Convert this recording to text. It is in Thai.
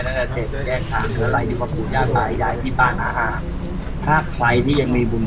น่าจะเฒ็บแยกทางเผลออะไรอยู่กับคุณย่าตายยายพี่ตานหาหาถ้าใครที่ยังมีบุญ